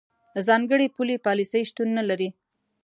ځانګړې پولي پالیسۍ شتون نه لري.